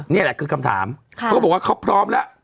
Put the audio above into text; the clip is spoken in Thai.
นี่แหละคือคำถามเขาก็บอกว่าเขาพร้อมแล้ว